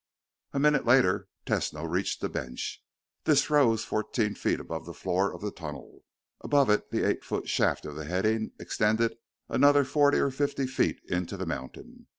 A minute later, Tesno reached the bench. This rose fourteen feet above the floor of the tunnel. Above it, the eight foot shaft of the heading extended another forty or fifty feet into the mountain.